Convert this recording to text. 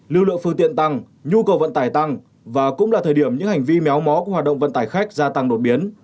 lưu lượng phương tiện tăng nhu cầu vận tải tăng và cũng là thời điểm những hành vi méo mó của hoạt động vận tải khách gia tăng đột biến